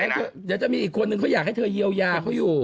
เดี๋ยวจะมีอีกคนนึงเขาอยากให้เธอเยียวยาเขาอยู่